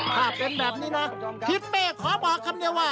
ถ้าเป็นแบบนี้นะทิศเป้ขอบอกคำเดียวว่า